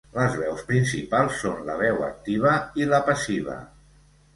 Les veus principals són la veu activa i la passiva.